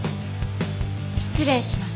失礼します。